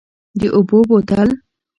د اوبو بوتل،